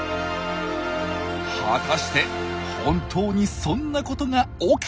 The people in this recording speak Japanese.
果たして本当にそんなことが起きているのか？